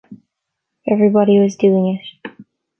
Everybody was doing it.